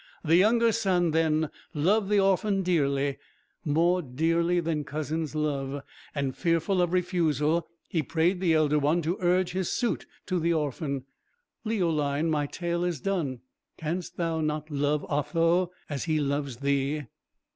the younger son, then, loved the orphan dearly more dearly than cousins love; and fearful of refusal, he prayed the elder one to urge his suit to the orphan. Leoline, my tale is done. Canst thou not love Otho as he loves thee?"